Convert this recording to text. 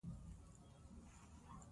د ټرک بار باید د قانون سره سم وي.